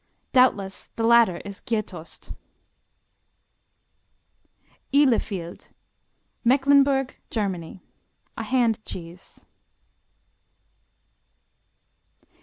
Doubtless the latter is Gjetost. Ihlefield Mecklenburg, Germany A hand cheese.